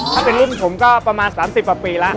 ถ้าเป็นรุ่นผมก็ประมาณ๓๐ประปีละ